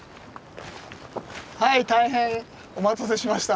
はい大変お待たせしました。